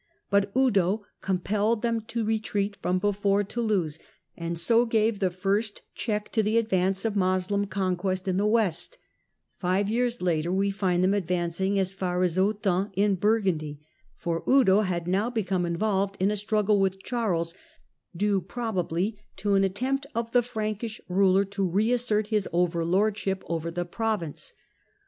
But FTudo compelled them to [etreat from before Toulouse, and so gave the first check p the advance of Moslem conquest in the West. Five ears later _we find __them advan cing as far as~Autun, n Burgundy. For Eudo had now become involved in a truggle with Charles, due probably to an attempt of he Frankish ruler to reassert his overlordship over he province.